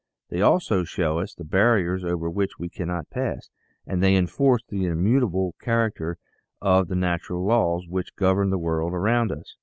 They also show us the bar riers over which we cannot pass, and they enforce the immutable character of the natural laws which govern the world around us.